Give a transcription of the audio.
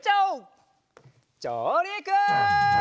じょうりく！